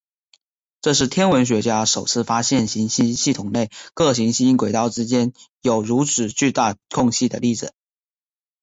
这是天文学家首次发现行星系统内各行星轨道之间有如此巨大空隙的例子。